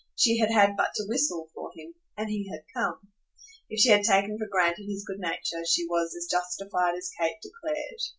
She had had but to whistle for him and he had come. If she had taken for granted his good nature she was as justified as Kate declared.